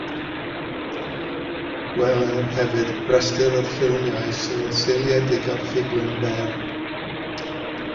Gweler hefyd Rhestr o ffilmiau sy'n seiliedig ar ffuglen fer.